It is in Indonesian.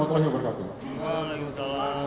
ya demikian tadi perkembangan